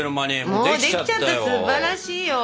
もうできちゃったすばらしいよ！